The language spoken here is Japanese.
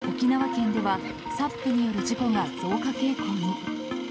実は、沖縄県ではサップによる事故が増加傾向に。